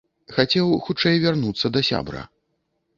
Хацеў хутчэй вярнуцца да сябра.